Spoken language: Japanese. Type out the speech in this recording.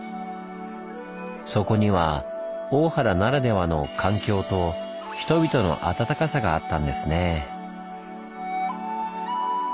そこには大原ならではの「環境」と「人々の温かさ」があったんですねぇ。